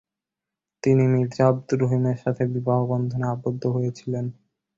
তিনি মির্জা আব্দুর রহিমের সাথে বিবাহবন্ধনে আবদ্ধ হয়েছিলেন।